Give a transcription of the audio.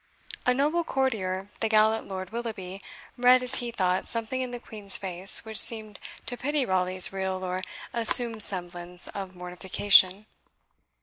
A noble courtier, the gallant Lord Willoughby, read, as he thought, something in the Queen's face which seemed to pity Raleigh's real or assumed semblance of mortification.